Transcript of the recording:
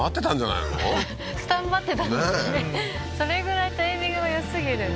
ねえそれぐらいタイミングがよすぎる